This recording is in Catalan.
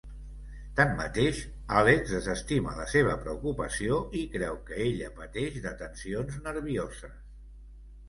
Tanmateix, Alex desestima la seva preocupació i creu que ella pateix de tensions nervioses.